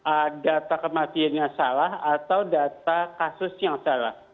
ada data kematiannya salah atau data kasus yang salah